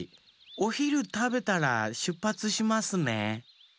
おひるたべたらしゅっぱつしますね。